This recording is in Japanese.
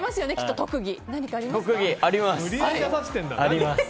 特技、あります。